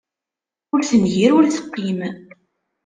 Ur tengir, ur teqqim.